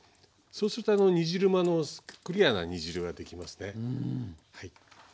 そうすると煮汁もクリアな煮汁ができますね。